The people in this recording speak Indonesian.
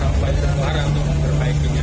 sehingga nanti kita akan berharap untuk memperbaikinya